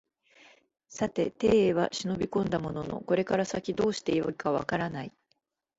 さて邸へは忍び込んだもののこれから先どうして善いか分からない